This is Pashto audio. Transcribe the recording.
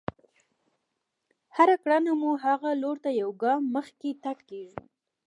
هره کړنه مو هغه لور ته يو ګام مخکې تګ کېږي.